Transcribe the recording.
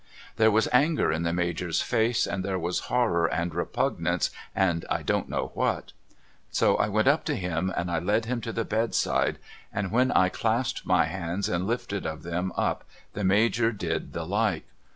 There was anger in the Major's face, and there was horror and repugnance and I don't know what. So I went up to him and I led him to the bedside, and when I clasped my hands and lifted of them up, the Major did the like.